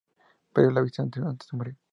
Perdió la vista antes de morir.